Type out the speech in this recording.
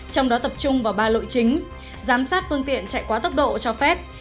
trong đó tập trung vào ba lội chính giám sát phương tiện chạy quá tốc độ cho phép